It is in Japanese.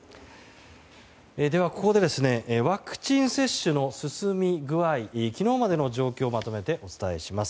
では、ここでワクチン接種の進み具合昨日までの状況をまとめてお伝えします。